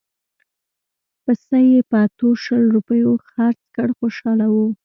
پسه یې په اتو شل روپیو خرڅ کړ خوشاله وو.